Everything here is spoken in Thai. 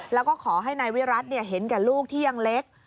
แล้วก็ขอให้นายวิรัติเห็นแก่ลูกที่ยังเล็ก